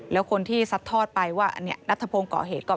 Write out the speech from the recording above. แล้วคนที่ซับทอดไปว่านับทะพงศ์เกาะเหตุ